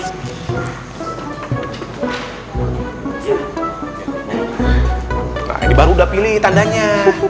nah ini baru udah pilih tandanya